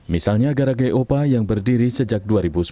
misalnya garage opa yang berdiri sejak dua ribu sepuluh